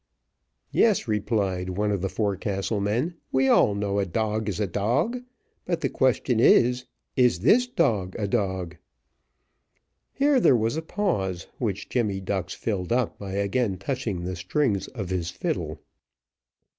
"Yes," replied one of the forecastle men, "we all know a dog is a dog, but the question is is this dog a dog?" Here there was a pause, which Jemmy Ducks filled up by again touching the strings of his fiddle.